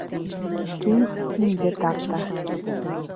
Тиң тиңде тарта